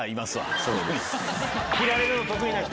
切られるの得意な人。